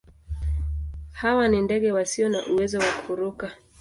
Hawa ni ndege wasio na uwezo wa kuruka.